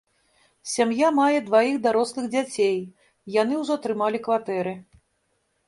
Сям'я мае дваіх дарослых дзяцей, яны ўжо атрымалі кватэры.